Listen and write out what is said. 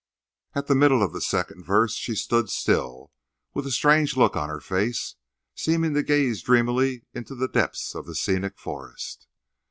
At the middle of the second verse she stood still, with a strange look on her face, seeming to gaze dreamily into the depths of the scenic forest.